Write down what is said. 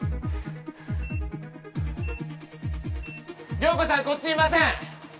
涼子さんこっちいません。